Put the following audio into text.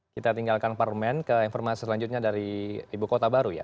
kita tinggalkan parlemen ke informasi selanjutnya dari ibu kota baru ya